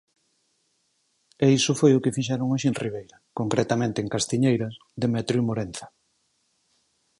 E iso foi o que fixeron hoxe en Ribeira, concretamente en Castiñeiras, Demetrio Morenza.